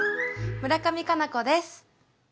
村上佳菜子です。